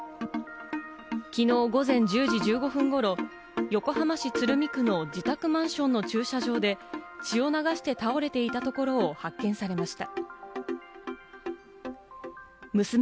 きのう午前１０時１５分頃、横浜市鶴見区の自宅マンションの駐車場で血を流して倒れていたところを発見されました。